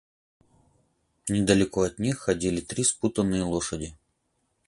Недалеко от них ходили три спутанные лошади.